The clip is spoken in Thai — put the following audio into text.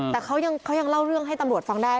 แต่เขายังเล่าเรื่องให้ตำรวจฟังได้